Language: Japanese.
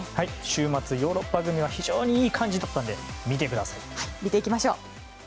週末、ヨーロッパ組は非常にいい感じだったので見てください。